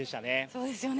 そうですよね。